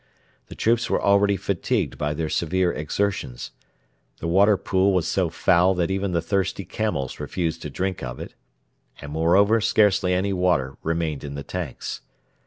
The troops were already fatigued by their severe exertions. The water pool was so foul that even the thirsty camels refused to drink of it, and moreover scarcely any water remained in the tanks.